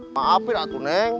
maafin aku neng